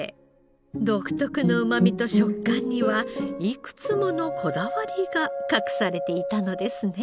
独特のうまみと食感にはいくつものこだわりが隠されていたのですね。